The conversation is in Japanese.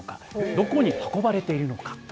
どこに運ばれていくのか。